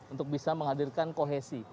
untuk bisa menghadirkan kohesi